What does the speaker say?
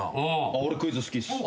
俺クイズ好きっす。